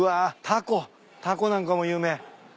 タコなんかも有名。